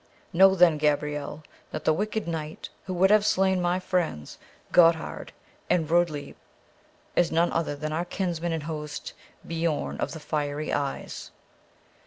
Know then, Gabrielle, that the wicked knight who would have slain my friends Gotthard and Rudlieb is none other than our kinsman and host, Biorn of the Fiery Eyes."